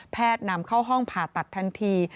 นำเข้าห้องผ่าตัดทันที